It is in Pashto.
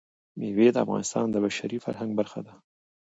مېوې د افغانستان د بشري فرهنګ برخه ده.